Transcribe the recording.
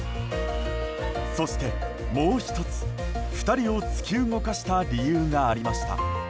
そしてもう１つ、２人を突き動かした理由がありました。